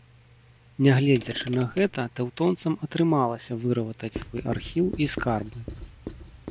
Нягледзячы на гэта, тэўтонцам атрымалася выратаваць свой архіў і скарбы.